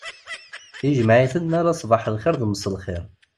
Ijmeɛ-iten ala sbaḥ lxir d mselxir.